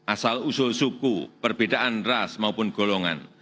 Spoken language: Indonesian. asal usul suku perbedaan ras maupun golongan